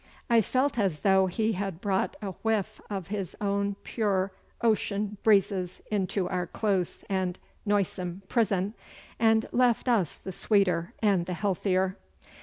I felt as though he had brought a whiff of his own pure ocean breezes into our close and noisome prison, and left us the sweeter and the healthier.